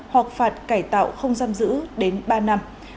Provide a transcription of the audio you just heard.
hoặc phạt cải tạo không giam giữ đến ba năm